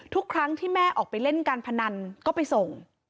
ทุกครั้งที่แม่ออกไปเล่นการพนันก็ไปส่ง